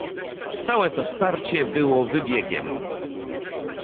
"Całe to starcie było wybiegiem."